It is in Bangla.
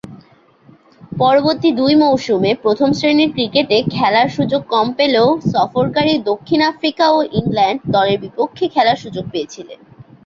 পরবর্তী দুই মৌসুমে প্রথম-শ্রেণীর ক্রিকেটে খেলার সুযোগ কম পেলেও সফরকারী দক্ষিণ আফ্রিকা ও ইংল্যান্ড দলের বিপক্ষে খেলার সুযোগ পেয়েছিলেন।